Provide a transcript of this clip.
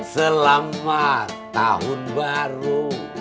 selamat tahun baru